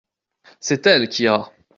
C’est elle qui ira.